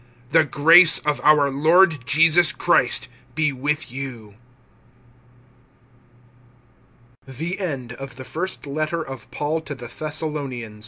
(28)The grace of our Lord Jesus Christ be with you. THE SECOND LETTER OF PAUL TO THE THESSALONIANS.